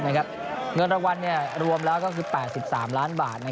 เงินรางวัลรวมแล้วก็คือ๘๓ล้านบาท